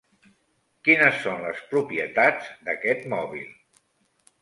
Quines són les propietats d'aquest mòbil?